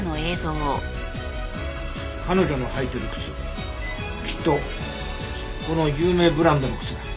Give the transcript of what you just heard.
彼女の履いてる靴きっとこの有名ブランドの靴だ。